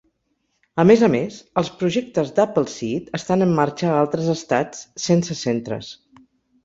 A més a més, els projectes d'Appleseed estan en marxa a altres estats sense centres.